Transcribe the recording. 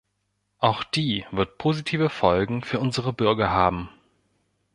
Auch die wird positive Folgen für unsere Bürger haben.